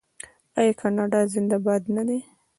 آیا کاناډا زنده باد نه دی؟